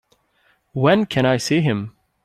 When can I see him?